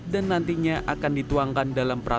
dan nantinya akan dituangkan dalam prasar